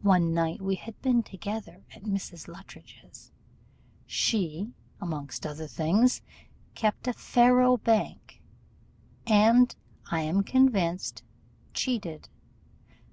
One night we had been together at Mrs. Luttridge's; she, amongst other good things, kept a faro bank, and, I am convinced, cheated.